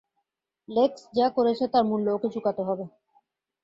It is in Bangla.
লেক্স যা করেছে তার মূল্য ওকে চুকাতে হবে।